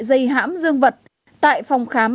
dây hãm dương vật tại phòng khám